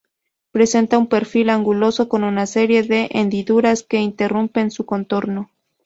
Presenta un perfil anguloso, con una serie de hendiduras que interrumpen su contorno.